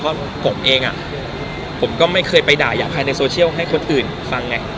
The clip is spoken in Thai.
เพราะผมเองผมก็ไม่เคยไปด่ายาภายในโซเชียลให้คนอื่นฟังไง